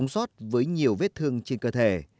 sống sót với nhiều vết thương trên cơ thể